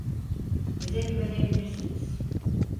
Bize güvenebilirsiniz.